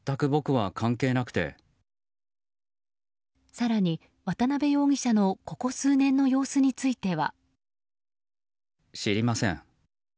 更に渡辺容疑者のここ数年の様子については。